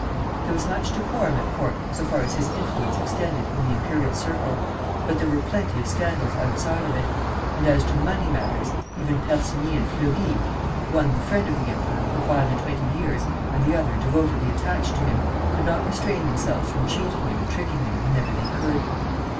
There was much decorum at court so far as his influence extended in the imperial circle, but there were plenty of scandals outside of it; and as to money matters, even Persigny and Fleury one the friend of the emperor for five and twenty years, and the other devotedly attached to him could not restrain themselves from cheating him and tricking him whenever they could.